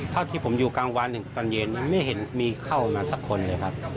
ที่ผมอยู่กลางวันถึงตอนเย็นไม่เห็นมีเข้ามาสักคนเลยครับ